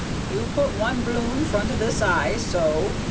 you put one bloon front of this eye, _so!